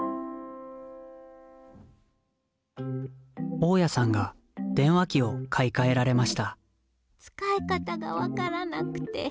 大家さんが電話機を買い替えられました使い方が分からなくて。